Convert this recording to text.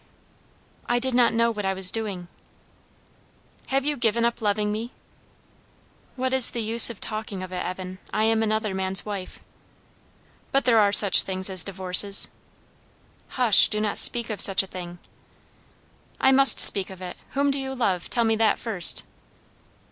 "I did not know what I was doing." "Have you given up loving me?" "What is the use of talking of it, Evan? I am another man's wife." "But there are such things as divorces." "Hush! Do not speak of such a thing." "I must speak of it. Whom do you love? tell me that first."